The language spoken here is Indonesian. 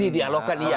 di dialogkan iya